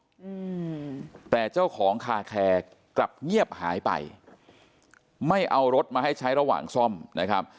อืมแต่เจ้าของคาแคร์กลับเงียบหายไปไม่เอารถมาให้ใช้ระหว่างซ่อมนะครับ